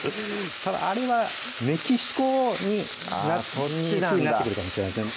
あれはメキシコになってくるかもしれないですね